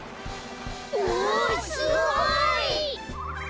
おおすごい！